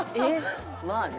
まあね。